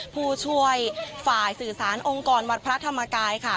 ผู้ช่วยฝ่ายสื่อสารองค์กรวัดพระธรรมกายค่ะ